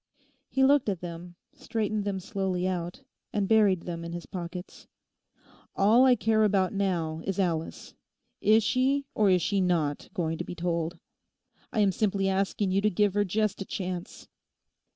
He looked at them, straightened them slowly out, and buried them in his pockets. 'All I care about now is Alice. Is she, or is she not going to be told? I am simply asking you to give her just a chance.